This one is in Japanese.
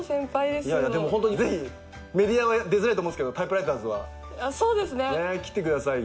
でもホントにぜひメディアは出づらいと思うんすけど『タイプライターズ』は来てくださいよ。